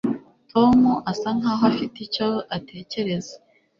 Tom asa nkaho afite icyo atekereza